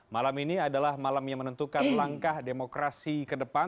malam ini adalah malam yang menentukan langkah demokrasi ke depan